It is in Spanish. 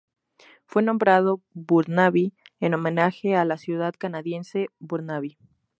Fue nombrado Burnaby en homenaje a la ciudad canadiense Burnaby.